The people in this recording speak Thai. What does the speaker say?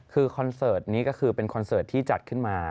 คือคอนเสิร์ตนี้ก็คือเป็นคอนเสิร์ตที่จัดขึ้นมา